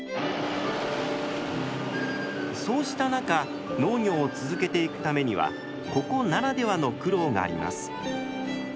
そうした中農業を続けていくためにはここならではの苦労があります。